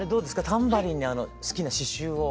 タンバリンに好きな刺繍を。